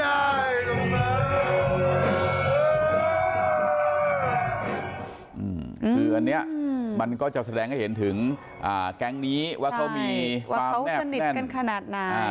คืออันนี้มันก็จะแสดงให้เห็นถึงแก๊งนี้ว่าเขามีว่าเขาสนิทกันขนาดไหน